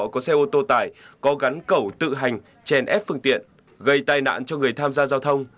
có xe ô tô tải có gắn cẩu tự hành chèn ép phương tiện gây tai nạn cho người tham gia giao thông